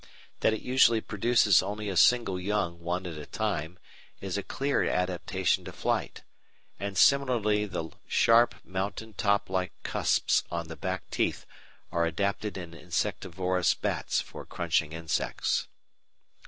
That it usually produces only a single young one at a time is a clear adaptation to flight, and similarly the sharp, mountain top like cusps on the back teeth are adapted in insectivorous bats for crunching insects.